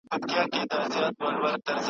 يو زده کوونکی په پښتو ژبي زده کړه کوي.